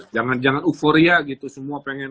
jangan jangan euforia gitu semua pengen